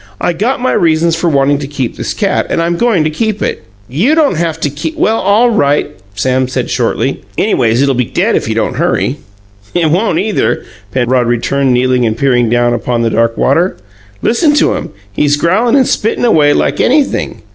"I got my reasons for wantin' to keep this cat, and I'm goin' to keep it. YOU don't haf to ke " "Well, all right," Sam said shortly. "Anyways, it'll be dead if you don't hurry." "It won't, either," Penrod returned, kneeling and peering down upon the dark water. "Listen to him! He's growlin' and spittin' away like anything!